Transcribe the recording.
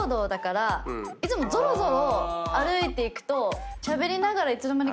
いつもぞろぞろ歩いていくと。